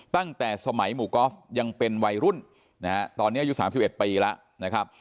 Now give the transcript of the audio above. ตั้งแต่สมัยหมู่กอล์ฟยังเป็นวัยรุ่นนะฮะตอนนี้อายุ๓๑ปีแล้วนะครับ